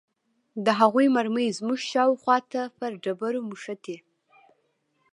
د هغوى مرمۍ زموږ شاوخوا ته پر ډبرو مښتې.